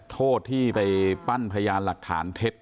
โทษที่ไปปั้นพยานหลักฐานเท็จ